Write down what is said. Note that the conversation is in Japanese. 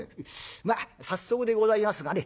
まあ早速でございますがね